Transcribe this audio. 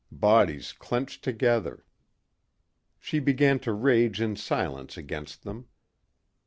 Bodies clenched together she began to rage in silence against them.